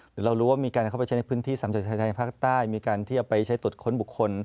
หรือเรารู้ว่ามีการเข้าไปใช้ในพื้นที่สำหรับชายภาคใต้มีการที่จะไปใช้ตรวจค้นบุคคล